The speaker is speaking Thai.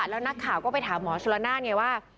แล้วนักข่าวก็ไปถามหมอชุลนานไงว่า